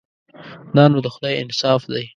دا نو د خدای انصاف دی.